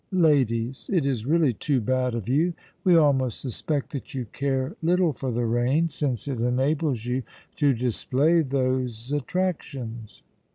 ladies—it is really too bad of you:—we almost suspect that you care little for the rain, since it enables you to display those attractions!